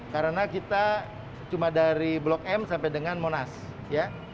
karena kita cuma dari blok m sampai dengan monas ya